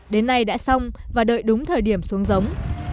đến nay đã xong và đợi đúng thời điểm xuống giống